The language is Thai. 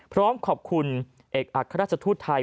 พร้อมขอบคุณเอกอัครราชทูตไทย